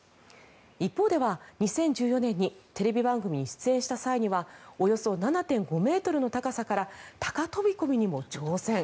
一方では２０１４年にテレビ番組に出演した際にはおよそ７．５ｍの高さから高飛込にも挑戦。